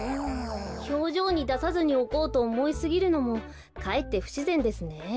ひょうじょうにださずにおこうとおもいすぎるのもかえってふしぜんですね。